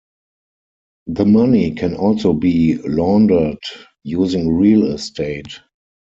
The money can also be laundered using real estate.